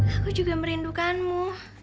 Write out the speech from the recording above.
aku juga merindukanmu